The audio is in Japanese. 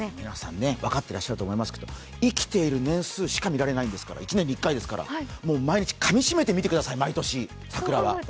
皆さん、分かってらっしゃると思いますけど生きている年数しか見られないんですから、１年に１回ですから、毎日かみしめて見てください、桜は。